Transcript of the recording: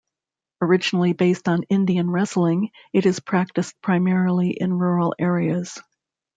Originally based on Indian wrestling, it is practiced primarily in rural areas.